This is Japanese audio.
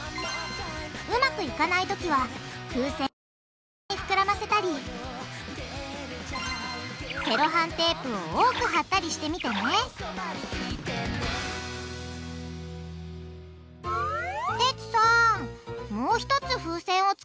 うまくいかないときは風船を小さめにふくらませたりセロハンテープを多くはったりしてみてねテツさん！